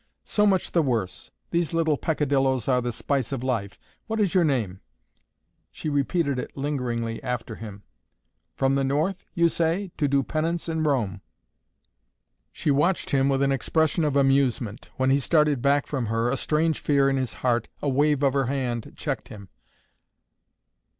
"So much the worse! These little peccadillos are the spice of life! What is your name?" She repeated it lingeringly after him. "From the North you say to do penance in Rome!" She watched him with an expression of amusement. When he started back from her, a strange fear in his heart, a wave of her hand checked him.